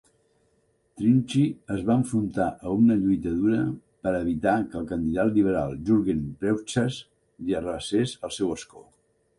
Trynchy es va enfrontar a una lluita dura per a evitar que el candidat liberal Jurgen Preugschas li arrabassés el seu escó.